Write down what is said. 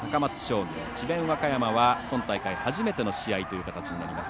和歌山は、今大会初めての試合という形になります。